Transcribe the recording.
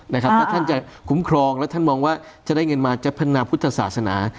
ถ้าท่านจะคุ้มครองแล้วท่านมองว่าจะได้เงินมาจะพัฒนาพุทธศาสนา